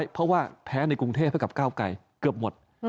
เพราะว่าแพ้ในกรุงเทพให้กับก้าวไกลเกือบหมด